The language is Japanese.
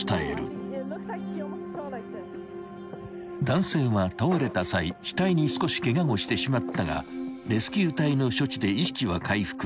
［男性は倒れた際額に少しケガをしてしまったがレスキュー隊の処置で意識は回復］